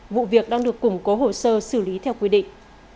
vụ việc đang được củng cố hồ sơ xử lý theo quy định